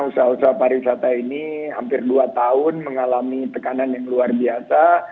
usaha usaha pariwisata ini hampir dua tahun mengalami tekanan yang luar biasa